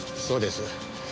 そうです。